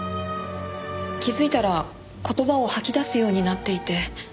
気づいたら言葉を吐き出すようになっていて。